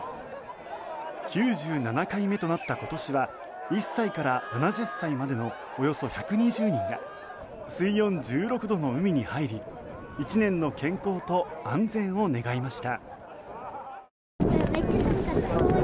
９７回目となった今年は１歳から７０歳までのおよそ１２０人が水温１６度の海に入り１年の健康と安全を願いました。